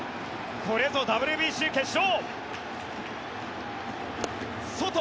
これぞＷＢＣ決勝！